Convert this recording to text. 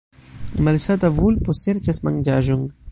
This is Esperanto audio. Malsata vulpo serĉas manĝaĵon.